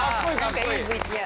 何かいいＶＴＲ。